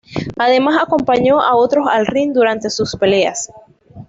Además acompañó a otros al ring durante sus peleas.